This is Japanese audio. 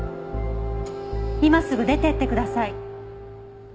今すぐ出ていってください。